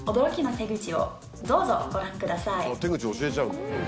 手口教えちゃうんだ。